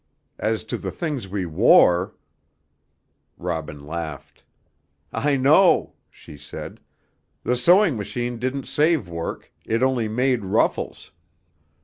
As to the things we wore " Robin laughed. "I know," she said. "The sewing machine didn't save work; it only made ruffles.